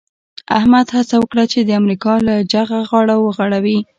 احمد هڅه وکړه چې د امریکا له جغه غاړه وغړوي.